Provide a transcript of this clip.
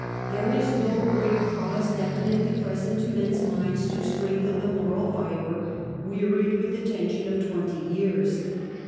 There is no great cause definitely present to men's minds to strengthen the moral fibre, wearied with the tension of twenty years.